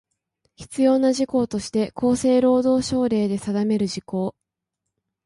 必要な事項として厚生労働省令で定める事項